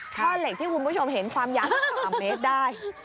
ท่อเหล็กที่คุณผู้ชมเห็นความยาวสัก๓เมตรได้